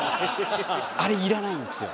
あれいらないんですよ。